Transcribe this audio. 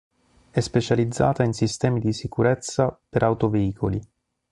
È specializzata in sistemi di sicurezza per autoveicoli.